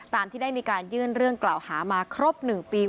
ตามที่ได้มีการยื่นเรื่องกล่าวหามาครบ๑ปี